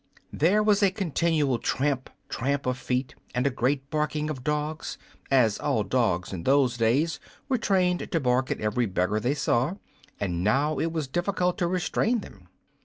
There was a continual tramp, tramp of feet, and a great barking of dogs, as all dogs in those days were trained to bark at every beggar they saw, and now it was difficult to restrain them.